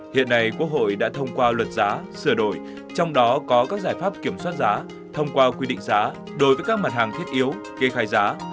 hiện nay quốc hội đã thông qua luật giá sửa đổi trong đó có các giải pháp kiểm soát giá thông qua quy định giá đối với các mặt hàng thiết yếu kê khai giá